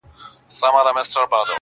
د ماهیپر پر هره ګولایي